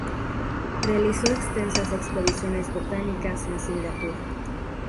Realizó extensas expediciones botánicas en Singapur.